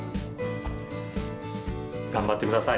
頑張ってください。